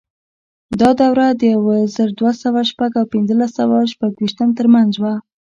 دا دوره د یو زر دوه سوه شپږ او پنځلس سوه شپږویشت ترمنځ وه.